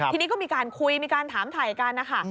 ทีนี้ก็มีการคุยมีการถามถ่ายกันนะคะ